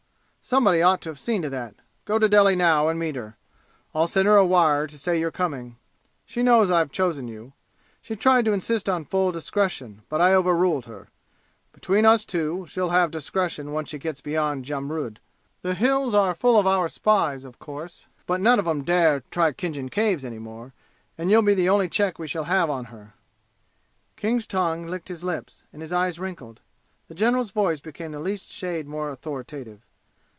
Somebody ought to have seen to that. Go to Delhi now and meet her. I'll send her a wire to say you're coming. She knows I've chosen you. She tried to insist on full discretion, but I overruled her. Between us two, she'll have discretion once she gets beyond Jamrud. The 'Hills' are full of our spies, of course, but none of 'em dare try Khinjan Caves any more and you'll be the only check we shall have on her." King's tongue licked his lips, and his eyes wrinkled. The general's voice became the least shade more authoritative.